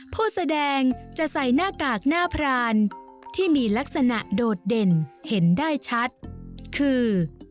ผู้แสดงจะใส่หน้ากากหน้าพรานที่มีลักษณะโดดเด่นเห็นได้ชัดคือ